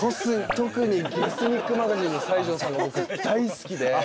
特に「ゲスニックマガジン」の西条さんが僕大好きで。